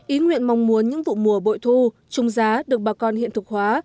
ý nguyện mong muốn những vụ mùa bội thu trung giá được bà con hiện thực hóa